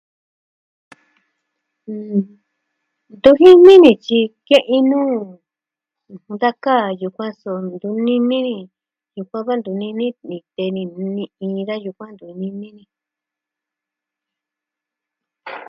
mm... Ntu jini ni tyi ke'i nuu da kaa yukuan so ntu nini ni. Yukuan va ntu nini ni tee ni ni da yaa yukuan ntu nini ni.